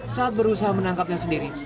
saat berusaha menangkapnya sendiri